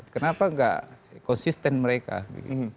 kenapa nggak konsisten mereka begitu